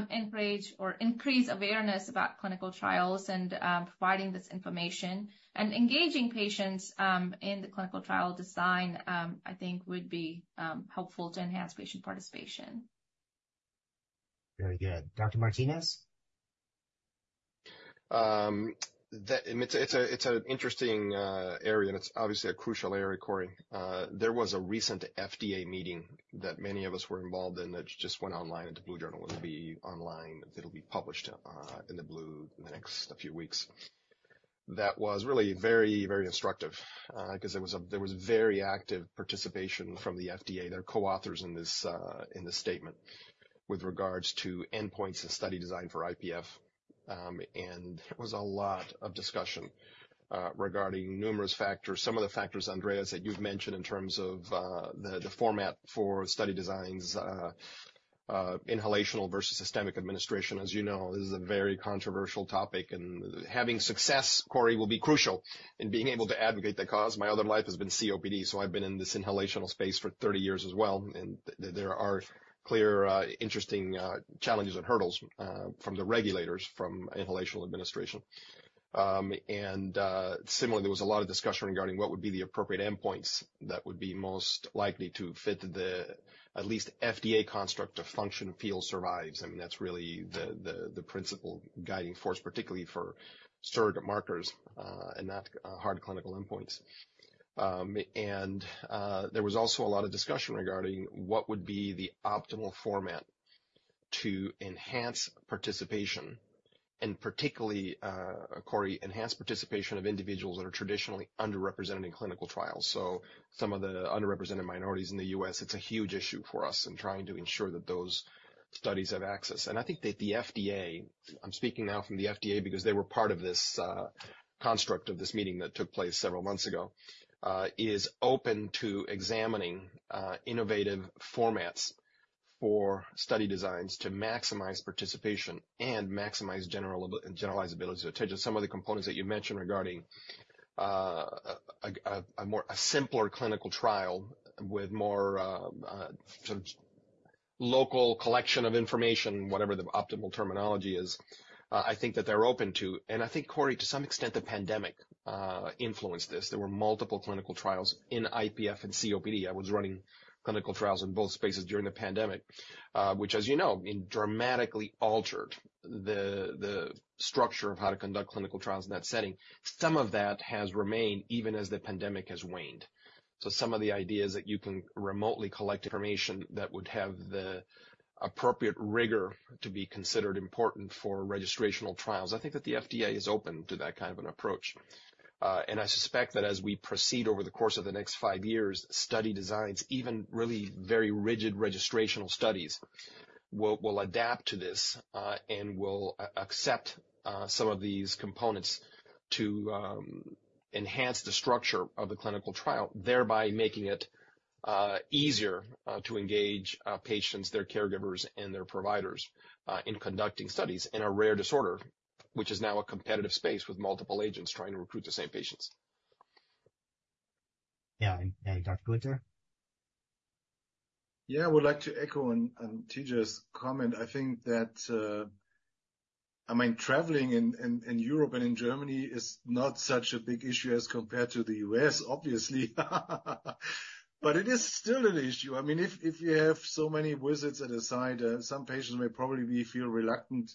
encourage or increase awareness about clinical trials and providing this information and engaging patients in the clinical trial design, I think would be helpful to enhance patient participation. Very good. Dr. Martinez? It's an interesting area, and it's obviously a crucial area, Cory. There was a recent FDA meeting that many of us were involved in that just went online, and the Blue Journal will be online. It'll be published in the Blue Journal in the next few weeks. That was really very, very instructive, because there was very active participation from the FDA. They're co-authors in this statement with regards to endpoints and study design for IPF. And there was a lot of discussion regarding numerous factors. Some of the factors, Andreas, that you'd mentioned in terms of the format for study designs, inhalational versus systemic administration, as you know, is a very controversial topic, and having success, Cory, will be crucial in being able to advocate the cause. My other life has been COPD, so I've been in this inhalational space for 30 years as well, and there are clear, interesting challenges and hurdles from the regulators, from inhalational administration. And similarly, there was a lot of discussion regarding what would be the appropriate endpoints that would be most likely to fit at least the FDA construct of function feel survives. I mean, that's really the principal guiding force, particularly for surrogate markers, and not hard clinical endpoints. And there was also a lot of discussion regarding what would be the optimal format to enhance participation and particularly, Cory, enhance participation of individuals that are traditionally underrepresented in clinical trials. So some of the underrepresented minorities in the U.S., it's a huge issue for us in trying to ensure that those studies have access. I think that the FDA, I'm speaking now from the FDA because they were part of this construct of this meeting that took place several months ago, is open to examining innovative formats for study designs to maximize participation and maximize generalizability. So to just some of the components that you mentioned regarding a simpler clinical trial with more sort of local collection of information, whatever the optimal terminology is, I think that they're open to. I think, Cory, to some extent, the pandemic influenced this. There were multiple clinical trials in IPF and COPD. I was running clinical trials in both spaces during the pandemic, which, as you know, dramatically altered the structure of how to conduct clinical trials in that setting. Some of that has remained even as the pandemic has waned. So some of the ideas that you can remotely collect information that would have the appropriate rigor to be considered important for registrational trials. I think that the FDA is open to that kind of an approach. I suspect that as we proceed over the course of the next five years, study designs, even really very rigid registrational studies, will adapt to this, and will accept some of these components to enhance the structure of the clinical trial, thereby making it easier to engage patients, their caregivers, and their providers in conducting studies in a rare disorder, which is now a competitive space with multiple agents trying to recruit the same patients. Yeah. And Dr. Gunther? Yeah, I would like to echo Tejas's comment. I think that, I mean, traveling in Europe and in Germany is not such a big issue as compared to the U.S., obviously. But it is still an issue. I mean, if you have so many visits at a site, some patients may probably feel reluctant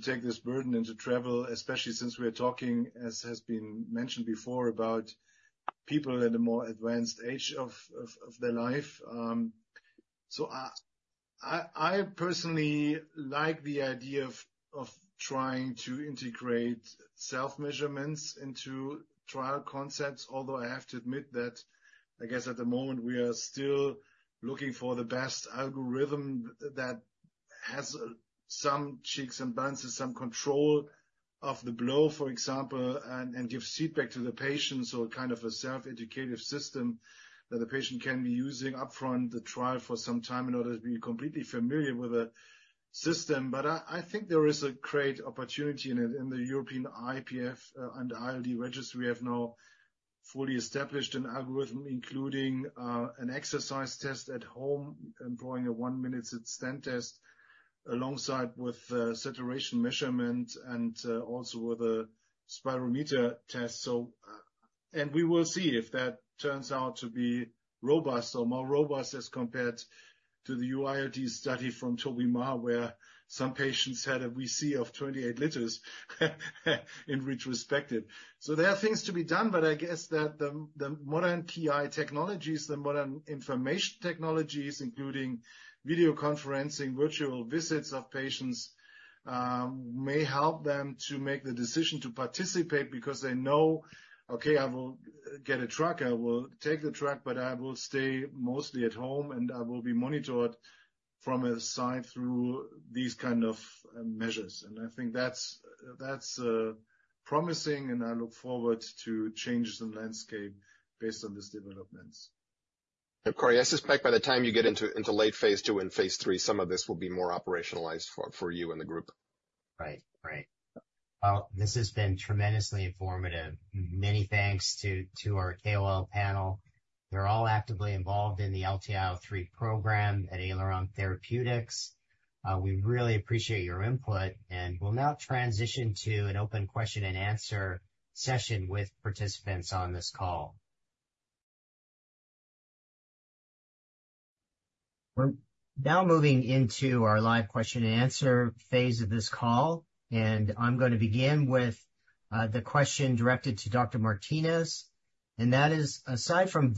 to take this burden and to travel, especially since we are talking, as has been mentioned before, about people at a more advanced age of their life. So I personally like the idea of trying to integrate self-measurements into trial concepts. Although I have to admit that I guess at the moment, we are still looking for the best algorithm that has some checks and balances, some control of the blow, for example, and give feedback to the patient. So kind of a self-educative system that the patient can be using upfront the trial for some time in order to be completely familiar with the system. But I, I think there is a great opportunity in it. In the European IPF and ILD registry, we have now fully established an algorithm, including an exercise test at home, employing a one-minute sit-stand test alongside with saturation measurement and also with a spirometer test. So and we will see if that turns out to be robust or more robust as compared to the [UIOD] study from Toby Maher, where some patients had a VC of 28 liters, in retrospecting. So there are things to be done, but I guess that the modern PI technologies, the modern information technologies, including video conferencing, virtual visits of patients, may help them to make the decision to participate because they know, "Okay, I will get a tracker. I will take the track, but I will stay mostly at home, and I will be monitored from a site through these kind of measures." And I think that's promising, and I look forward to changes in landscape based on these developments. Cory, I suspect by the time you get into late phase II and phase III, some of this will be more operationalized for you and the group. Right. Right. Well, this has been tremendously informative. Many thanks to, to our KOL panel. They're all actively involved in the LTI-03 program at Aileron Therapeutics. We really appreciate your input, and we'll now transition to an open question-and-answer session with participants on this call. We're now moving into our live question-and-answer phase of this call, and I'm going to begin with the question directed to Dr. Martinez, and that is, "Aside from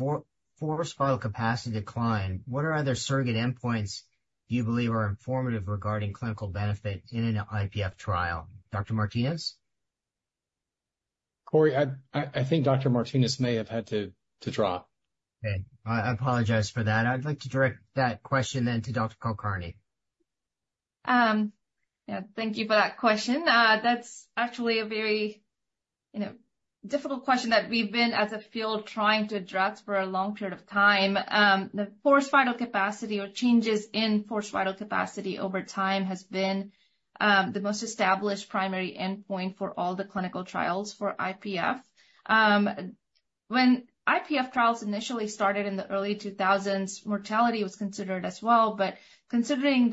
forced vital capacity decline, what are other surrogate endpoints do you believe are informative regarding clinical benefit in an IPF trial?" Dr. Martinez? Cory, I think Dr. Martinez may have had to drop. Okay. I apologize for that. I'd like to direct that question then to Dr. Kulkarni. Yeah, thank you for that question. That's actually a very, you know, difficult question that we've been, as a field, trying to address for a long period of time. The forced vital capacity or changes in forced vital capacity over time has been the most established primary endpoint for all the clinical trials for IPF. When IPF trials initially started in the early 2000s, mortality was considered as well. But considering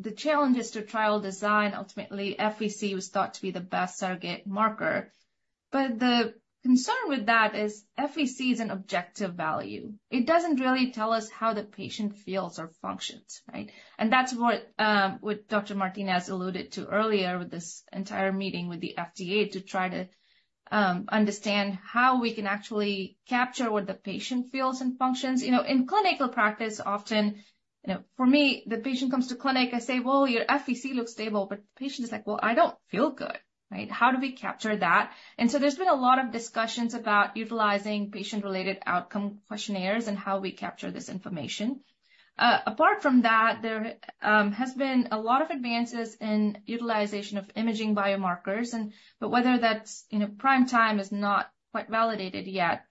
the challenges to trial design, ultimately, FVC was thought to be the best surrogate marker. But the concern with that is FVC is an objective value. It doesn't really tell us how the patient feels or functions, right? And that's what what Dr. Martinez alluded to earlier with this entire meeting with the FDA, to try to understand how we can actually capture what the patient feels and functions. You know, in clinical practice, often, you know, for me, the patient comes to clinic, I say, "Well, your FVC looks stable." But the patient is like, "Well, I don't feel good." Right? How do we capture that? And so there's been a lot of discussions about utilizing patient-related outcome questionnaires and how we capture this information. Apart from that, there has been a lot of advances in utilization of imaging biomarkers and... but whether that's, you know, prime time is not quite validated yet.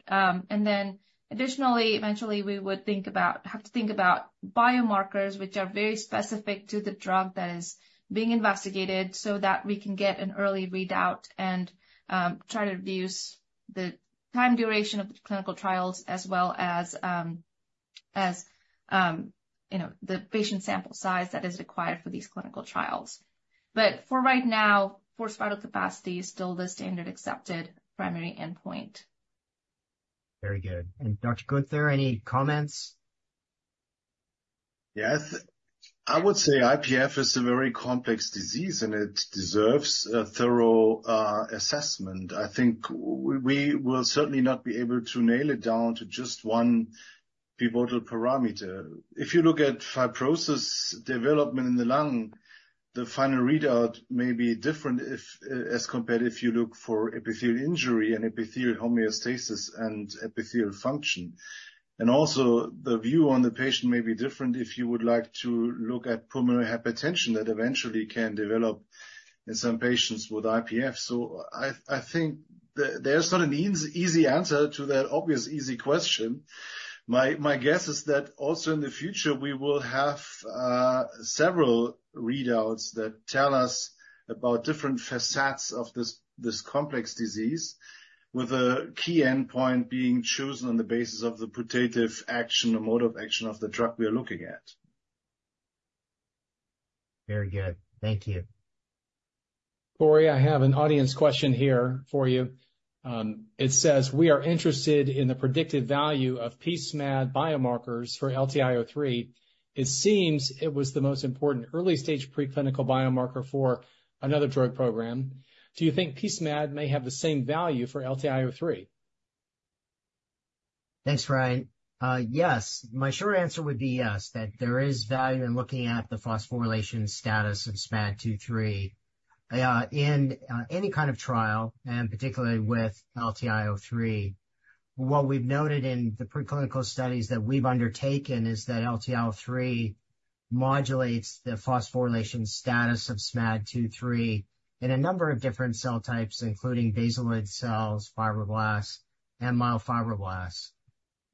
Eventually, we would have to think about biomarkers, which are very specific to the drug that is being investigated, so that we can get an early readout and try to reduce the time duration of the clinical trials, as well as, you know, the patient sample size that is required for these clinical trials. But for right now, forced vital capacity is still the standard accepted primary endpoint. Very good. Dr. Gutberlet, any comments? Yes. I would say IPF is a very complex disease, and it deserves a thorough assessment. I think we will certainly not be able to nail it down to just one pivotal parameter. If you look at fibrosis development in the lung, the final readout may be different if, as compared if you look for epithelial injury and epithelial homeostasis and epithelial function. And also, the view on the patient may be different if you would like to look at pulmonary hypertension that eventually can develop in some patients with IPF. So I think there's not an easy answer to that obvious easy question. My guess is that also in the future, we will have several readouts that tell us about different facets of this complex disease, with a key endpoint being chosen on the basis of the putative action or mode of action of the drug we are looking at. Very good. Thank you. Cory, I have an audience question here for you. It says, "We are interested in the predictive value of p-SMAD biomarkers for LTI-03. It seems it was the most important early-stage preclinical biomarker for another drug program. Do you think p-SMAD may have the same value for LTI-03? Thanks, Ryan. Yes. My short answer would be yes, that there is value in looking at the phosphorylation status of SMAD2/3 in any kind of trial, and particularly with LTI-03. What we've noted in the preclinical studies that we've undertaken is that LTI-03 modulates the phosphorylation status of SMAD2/3 in a number of different cell types, including basaloid cells, fibroblasts, and myofibroblasts.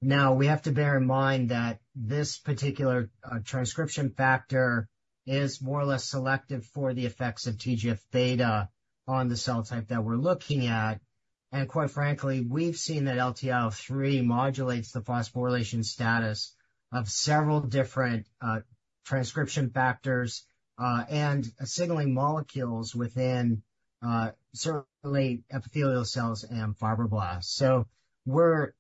Now, we have to bear in mind that this particular transcription factor is more or less selective for the effects of TGF-beta on the cell type that we're looking at. Quite frankly, we've seen that LTI-03 modulates the phosphorylation status of several different transcription factors and signaling molecules within certainly epithelial cells and fibroblasts. So we're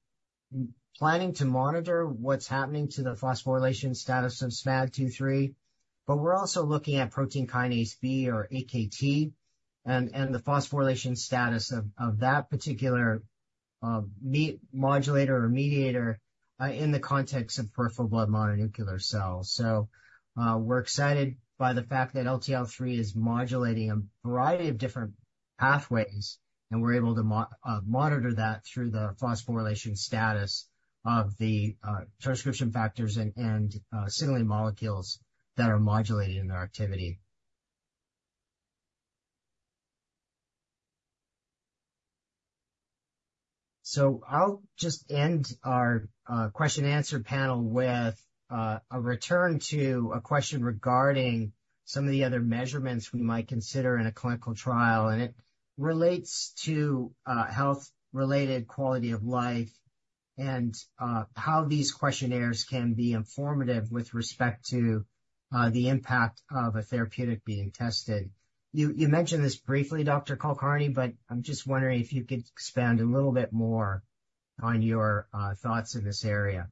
planning to monitor what's happening to the phosphorylation status of SMAD2/3, but we're also looking at protein kinase B or AKT and the phosphorylation status of that particular modulator or mediator in the context of peripheral blood mononuclear cells. So, we're excited by the fact that LTI-03 is modulating a variety of different pathways, and we're able to monitor that through the phosphorylation status of the transcription factors and signaling molecules that are modulated in our activity. So I'll just end our question and answer panel with a return to a question regarding some of the other measurements we might consider in a clinical trial, and it relates to health-related quality of life and how these questionnaires can be informative with respect to the impact of a therapeutic being tested. You mentioned this briefly, Dr. Kulkarni, but I'm just wondering if you could expand a little bit more on your thoughts in this area?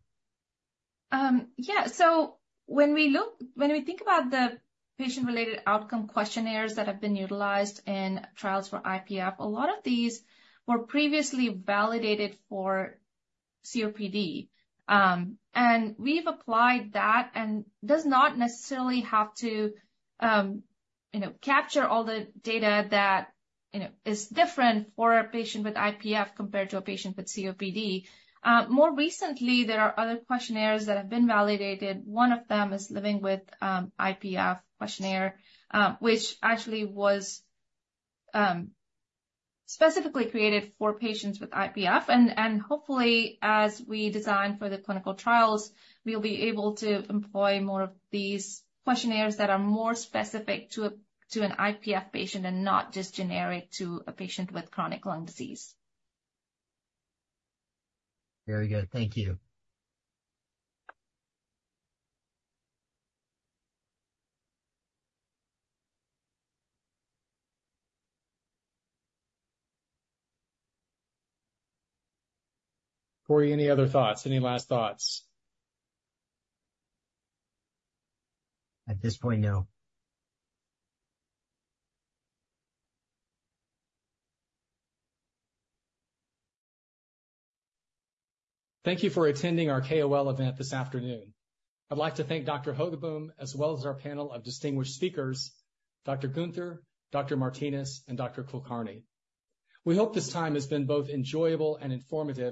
Yeah. So when we think about the patient-related outcome questionnaires that have been utilized in trials for IPF, a lot of these were previously validated for COPD. And we've applied that and does not necessarily have to, you know, capture all the data that, you know, is different for a patient with IPF compared to a patient with COPD. More recently, there are other questionnaires that have been validated. One of them is Living with IPF questionnaire, which actually was specifically created for patients with IPF, and hopefully, as we design for the clinical trials, we'll be able to employ more of these questionnaires that are more specific to a to an IPF patient and not just generic to a patient with chronic lung disease. Very good. Thank you. Cory, any other thoughts? Any last thoughts? At this point, no. Thank you for attending our KOL event this afternoon. I'd like to thank Dr. Hogaboam, as well as our panel of distinguished speakers, Dr. Günther, Dr. Martinez, and Dr. Kulkarni. We hope this time has been both enjoyable and informative.